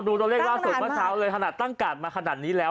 ตัวเลขล่าสุดเมื่อเช้าเลยขนาดตั้งกาดมาขนาดนี้แล้ว